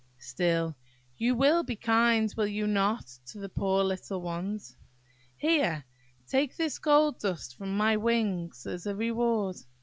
Still you will be kind, will you not, to the poor little ones? Here, take this gold dust from my wings as a reward.